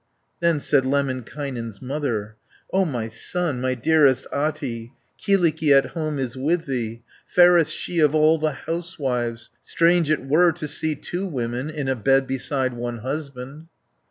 Then said Lemminkainen's mother, "O my son, my dearest Ahti, Kyllikki at home is with thee, Fairest she of all the housewives. 120 Strange it were to see two women In a bed beside one husband."